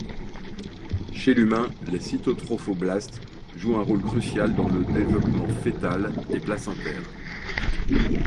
Chez l’humain les cytotrophoblastes jouent un rôle crucial dans le développement fœtal et placentaire.